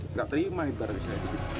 nggak terima ibaratnya